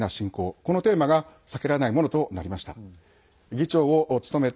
このテーマが避けられないものとなりました。